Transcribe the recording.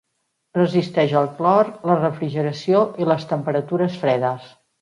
Resisteix al clor, la refrigeració i les temperatures fredes.